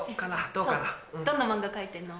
どんな漫画描いてんの？